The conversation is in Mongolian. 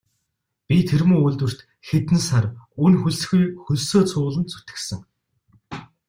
Би тэр муу үйлдвэрт хэдэн сар үнэ хөлсгүй хөлсөө цувуулан зүтгэсэн.